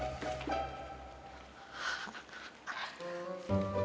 jangan kacau mau padahal watipu